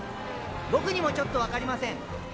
僕にもちょっと分かりません。